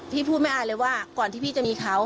พี่พูดไม่อายเลยว่าก่อนที่พี่จะมีเขา